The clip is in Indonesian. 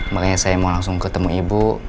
makanya saya mau langsung ketemu ibu